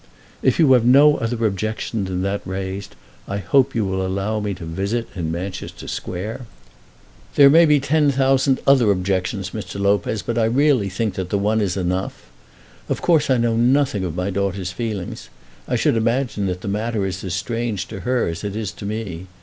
"If you have no other objection than that raised, I hope you will allow me to visit in Manchester Square." "There may be ten thousand other objections, Mr. Lopez, but I really think that the one is enough. Of course I know nothing of my daughter's feelings. I should imagine that the matter is as strange to her as it is to me.